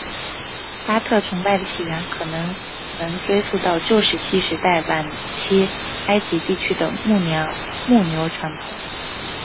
巴特崇拜的起源可能能追溯到旧石器时代晚期埃及地区的牧牛传统。